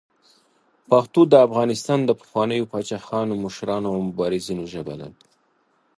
پښتو د افغانستان د پخوانیو پاچاهانو، مشرانو او مبارزینو ژبه ده.